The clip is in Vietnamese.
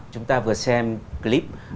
chúng ta vừa xem clip